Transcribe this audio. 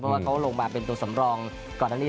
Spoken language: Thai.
เพราะว่าเขาลงมาเป็นตัวสำรองก่อนอันนี้